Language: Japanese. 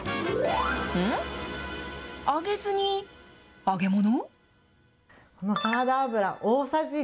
揚げずに揚げ物？